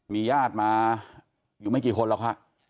มีญาติมาอายุไม่กี่คนเค้า